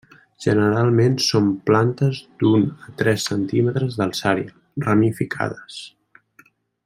Generalment són plantes d'un a tres centímetres d'alçària, ramificades.